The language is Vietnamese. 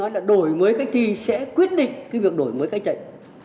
đổi mới cách thi sẽ quyết định việc đổi mới cách dạy